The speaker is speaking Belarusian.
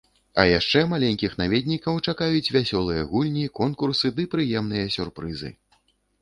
А яшчэ маленькіх наведнікаў чакаюць вясёлыя гульні, конкурсы ды прыемныя сюрпрызы!